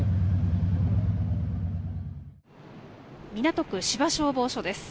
港区芝消防署です。